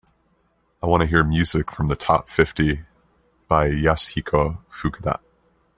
I want to hear music from the top fifty by Yasuhiko Fukuda